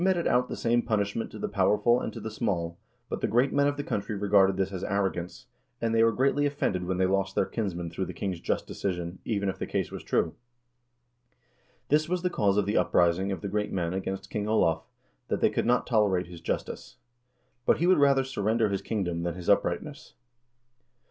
The " Ileimskringla" says: "He meted out the same punishment to the powerful and to the small, but the great men of the country regarded this as arrogance, and they were greatly offended when they lost their kinsmen through the king's jnst decision, even if the case was true. This was the cause of the uprising of the great men against King Olav, that they could not tolerate his justice. But he would rather surrender his kingdom than his uprightness."